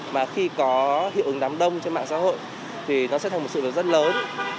mà khi có hiệu ứng đám đông trên mạng xã hội thì nó sẽ thành một sự việc rất lớn